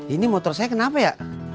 ini motor saya kenapa ya